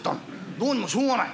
どうにもしょうがない。